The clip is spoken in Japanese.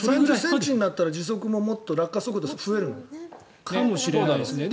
３０ｃｍになったら時速ももっと落下速度も増える？かもしれないですね。